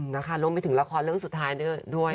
นะคะรวมไปถึงละครเรื่องสุดท้ายด้วย